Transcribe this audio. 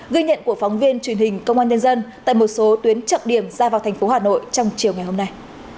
ghi nhận của phóng viên truyền hình công an nhân dân tại một số tuyến trọng điểm ra vào thành phố hà nội trong chiều ngày hôm nay